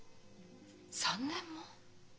３年も？